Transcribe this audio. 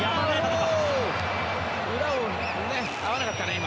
裏を合わなかったね、今。